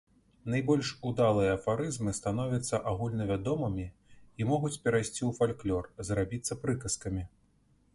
Найбольш удалыя афарызмы становяцца агульнавядомымі і могуць перайсці ў фальклор, зрабіцца прыказкамі.